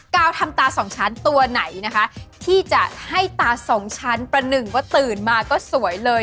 วทำตาสองชั้นตัวไหนนะคะที่จะให้ตาสองชั้นประหนึ่งว่าตื่นมาก็สวยเลย